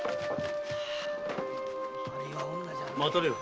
待たれよ。